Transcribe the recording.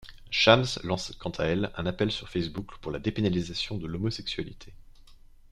Shams lance quant à elle un appel sur Facebook pour la dépénalisation de l'homosexualité.